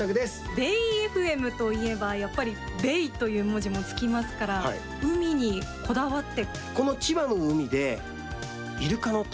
ベイエフエムと言えばやっぱりベイという文字もつきますから海にこだわって？